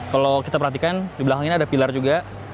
kalau kita perhatikan di belakang ini ada pilar juga